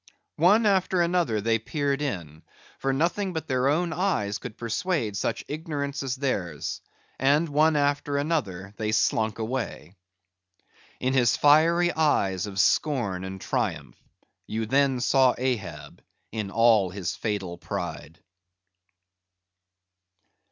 One after another they peered in, for nothing but their own eyes could persuade such ignorance as theirs, and one after another they slunk away. In his fiery eyes of scorn and triumph, you then saw Ahab in all his fatal pride.